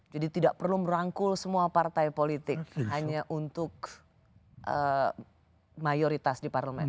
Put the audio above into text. jadi tidak perlu merangkul semua partai politik hanya untuk mayoritas di parlemen